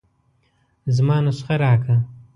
زما نسخه راکه.